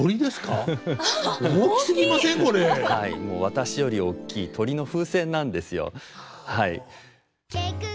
私より大きい鳥の風船なんですよはい。